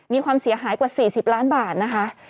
มีความเสียหายกว่า๔๐ล้านบาทนะคะ